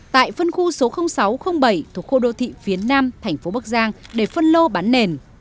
tại phân khu số sáu trăm linh bảy thuộc khu đô thị phía nam thành phố bắc giang để phân lô bán nền